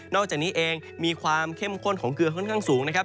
อกจากนี้เองมีความเข้มข้นของเกลือค่อนข้างสูงนะครับ